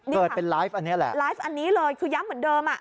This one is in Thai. เกิดเป็นไลฟ์อันนี้แหละไลฟ์อันนี้เลยคือย้ำเหมือนเดิมอ่ะ